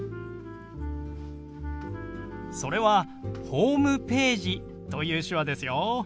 それは「ホームページ」という手話ですよ。